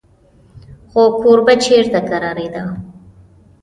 خو کوربه چېرته کرارېده.